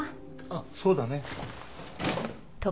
あっそうだね。